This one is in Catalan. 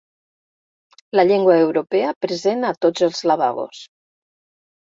La llengua europea present a tots els lavabos.